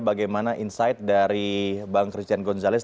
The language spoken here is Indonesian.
bagaimana insight dari bang christian gonzalez